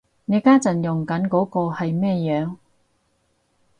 你家陣用緊嗰個係咩樣